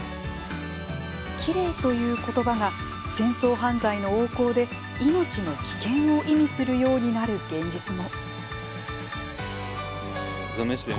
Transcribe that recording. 「きれい」という言葉が戦争犯罪の横行で命の危険を意味するようになる現実も。